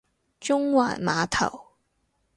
中環碼頭